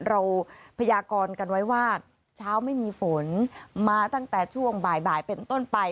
พยากรกันไว้ว่าเช้าไม่มีฝนมาตั้งแต่ช่วงบ่ายเป็นต้นไป